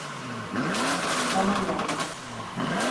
Tamam oğlum.